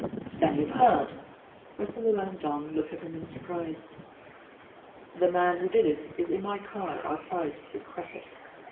"Then you've heard." Mr. Llewellyn John looked at him in surprise. "The man who did it is in my car outside with Cressit."